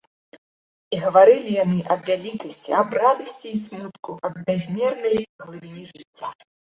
І гаварылі яны аб вялікасці, аб радасці і смутку, аб бязмернай глыбіні жыцця.